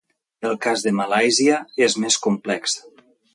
El cas de Malàisia és més complex.